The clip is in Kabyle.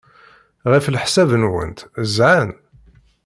Ɣef leḥsab-nwent, zhan?